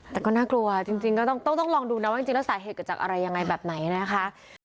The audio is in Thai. แต่ก็น่ากลัวจริงก็ต้องลองดูนะว่าจริงแล้วสาเหตุเกิดจากอะไรยังไงแบบไหนนะคะ